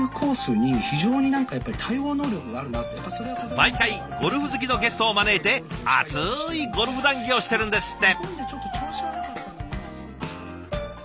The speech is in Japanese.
毎回ゴルフ好きのゲストを招いて熱いゴルフ談議をしてるんですって。